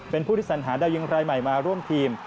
เป็นผู้ที่สัญหาดาวยิงรายใหม่มาร่วมทีม